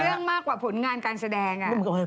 เรื่องมากกว่าผลงานการแสดง